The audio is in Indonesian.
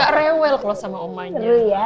gak rewel kalau sama omanya